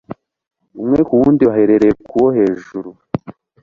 umwe ku wundi bahereye kuwo hejuru